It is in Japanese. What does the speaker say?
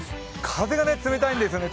風が冷たいんですよね。